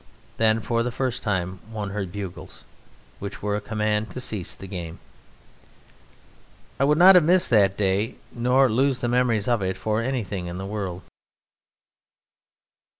Then for the first time one heard bugles, which were a command to cease the game. I would not have missed that day nor lose the memories of it for anything in the world.